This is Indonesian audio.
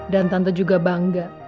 dan tante juga bangga